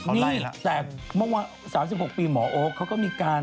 เขาไล่ละแบบบาวว่า๓๖ปีหมอโอ๊กเขาก็มีการ